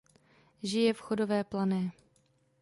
Žije v Chodové Plané.